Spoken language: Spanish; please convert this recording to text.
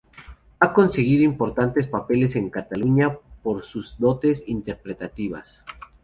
Ha conseguido importantes papeles en Cataluña por sus dotes interpretativas.